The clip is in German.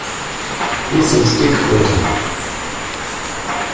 Wir sind Dickhäuter.